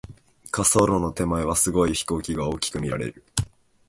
滑走路の手前は、すごい飛行機が大きく見られる。